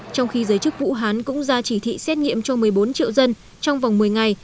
trong khi giới chức vũ hán cũng ra chỉ thị xét nghiệm cho một mươi bốn triệu dân trong vòng một mươi ngày